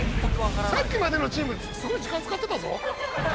さっきまでのチームすごい時間使ってたぞ。